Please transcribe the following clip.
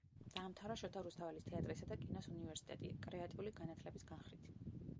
დაამთავრა შოთა რუსთაველის თეატრისა და კინოს უნივერსიტეტი, კრეატიული განათლების განხრით.